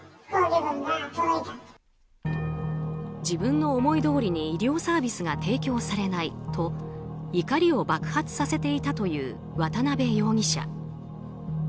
自分の思いどおりに医療サービスが提供されないと怒りを爆発させていたという渡辺容疑者。